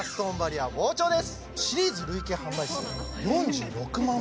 シリーズ累計販売数４６万